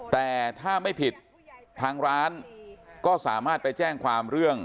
แต่ถ้าไม่ผิดทางร้านก็สามารถไปแจ้งความเรื่อง